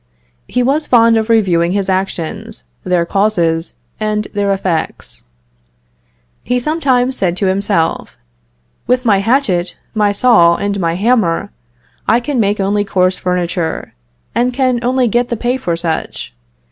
He was fond of reviewing his actions, their causes, and their effects. He sometimes said to himself, "With my hatchet, my saw, and my hammer, I can make only coarse furniture, and can only get the pay for such.